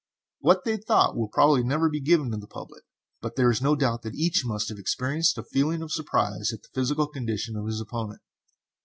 What they thought will probably never be given to the public, but there is no doubt that each must have experienced a feeling of surprise at the physical condition of his opponent.